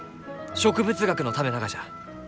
植物学のためながじゃ！